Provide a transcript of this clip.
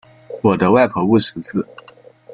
我的外婆不识字